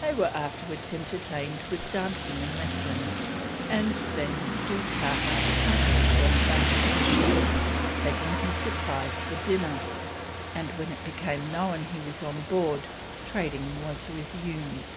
They were afterwards entertained with dancing and wrestling, and then Dootahah accompanied them back to the ship, taking his supplies for dinner; and when it became known he was on board, trading was resumed.